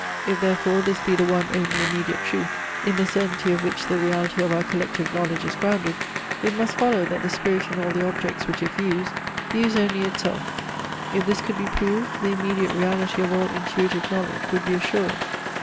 If therefore this be the one only immediate truth, in the certainty of which the reality of our collective knowledge is grounded, it must follow that the spirit in all the objects which it views, views only itself. If this could be proved, the immediate reality of all intuitive knowledge would be assured.